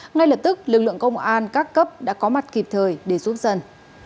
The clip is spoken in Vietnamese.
ngay lập tức lực lượng công an các cấp đã có mặt kịp thời để giúp dân